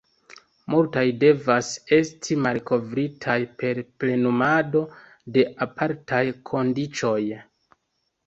Multaj devas esti malkovritaj per plenumado de apartaj kondiĉoj.